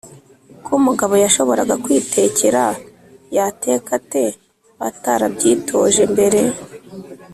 ko umugabo yashoboraga kwitekera, yateka ate atarabyitoje mbere?”